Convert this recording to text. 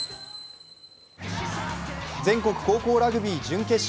全国高校ラグビー準決勝。